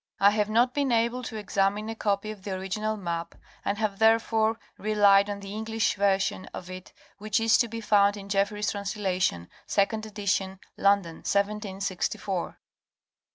I have not been able to examine a copy of the original map, and have therefore relied on the English version of it which is to be round in Jefferys' translation, second edition, London, 1764, Review of Berings First Expedition, 1725 30.